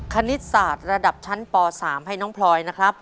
คณิตศาสตร์ระดับชั้นป๓ให้น้องพลอยนะครับ